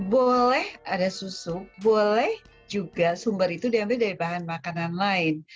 boleh ada susu boleh juga sumber itu diambil dari bahan makanan lain